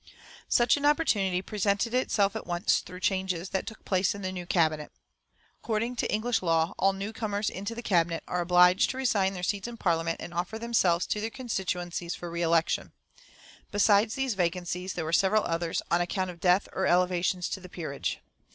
Such an opportunity presented itself at once through changes that took place in the new Cabinet. According to English law, all new comers into the Cabinet are obliged to resign their seats in Parliament and offer themselves to their constituencies for re election. Besides these vacancies there were several others, on account of death or elevations to the peerage.